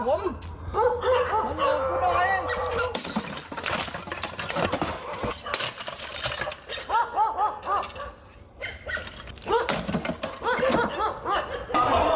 มันหลงกูได้เอง